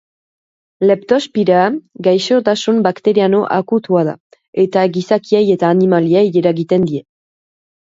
Leptospira gaixotasun bakteriano akutua da, eta gizakiei eta animaliei eragiten die.